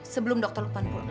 sebelum dokter lupan pulang